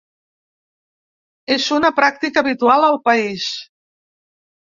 És una pràctica habitual al país.